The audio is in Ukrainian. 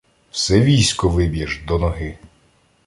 Все військо виб'єш до ноги.